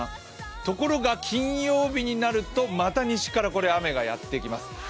ところが、金曜日になるとまた西から雨がやってきます。